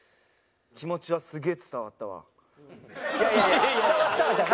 気持ちはすげえ伝わったわ。